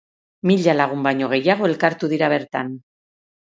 Mila lagun baino gehiago elkartu dira bertan.